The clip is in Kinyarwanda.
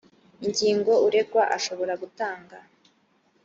ingingo uregwa ashobora gutanga